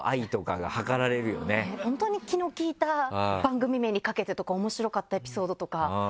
本当に気の利いた番組名にかけてとか面白かったエピソードとか。